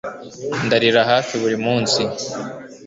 Ndarira hafi buri munsi